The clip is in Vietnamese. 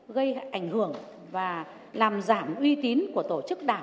gây ảnh hưởng và làm giảm uy tín của tổ chức đảng